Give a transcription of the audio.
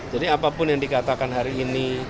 jadi apapun yang dikatakan hari ini